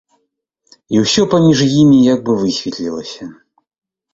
І ўсё паміж імі як бы высветлілася.